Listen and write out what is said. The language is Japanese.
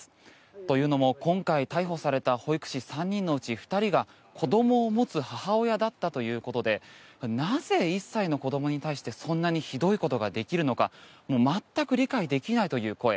というのも今回逮捕された保育士３人のうち２人が子どもを持つ母親だったということでなぜ、１歳の子どもに対してそんなにひどいことができるのか全く理解できないという声。